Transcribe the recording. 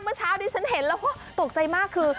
เมื่อเช้าที่ฉันเห็นแล้วก็ตกใจมากคือ